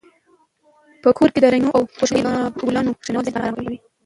په کور کې د رنګینو او خوشبویه ګلانو کښېنول ذهن اراموي.